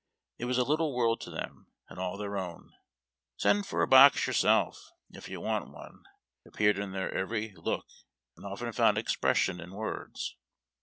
It was a little world to them, and all their own. "Send for a box yourself, if you want one," appeared in their every look, and often found expres sion in words.